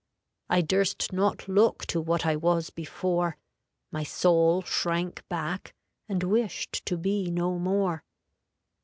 I durst not look to what I was before; My soul shrank back, and wished to be no more.